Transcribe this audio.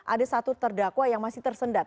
ada satu terdakwa yang masih tersendat